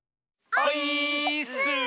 オイーッス！